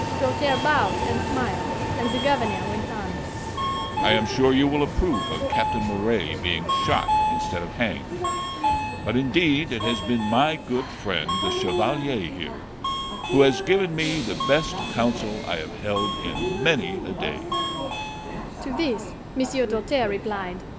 Doltaire bowed and smiled, and the Governor went on: 'I am sure you will approve of Captain Moray being shot instead of hanged. But indeed it has been my good friend the Chevalier here who has given me the best council I have held in many a day.